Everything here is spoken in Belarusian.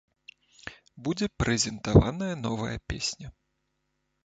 Будзе прэзентаваная новая песня.